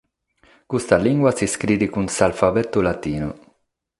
Custa limba s’iscriet cun s’alfabetu latinu.